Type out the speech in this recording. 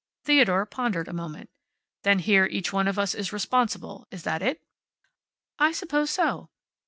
Theodore pondered a moment. "Then here each one of us is responsible. Is that it?" "I suppose so."